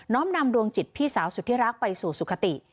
้อมนำดวงจิตพี่สาวสุธิรักไปสู่สุขติ